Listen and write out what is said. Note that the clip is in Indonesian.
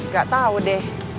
gak tau deh